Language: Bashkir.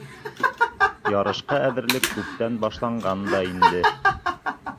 Ярышҡа әҙерлек күптән башланған да инде.